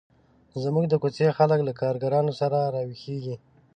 زموږ د کوڅې خلک له کارګرانو سره را ویښیږي.